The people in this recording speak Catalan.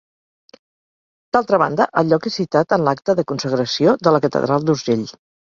D'altra banda, el lloc és citat en l'acta de consagració de la catedral d'Urgell.